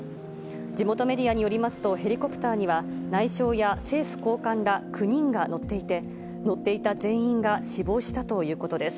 地元メディアによりますと、ヘリコプターには内相や政府高官ら９人が乗っていて、乗っていた全員が死亡したということです。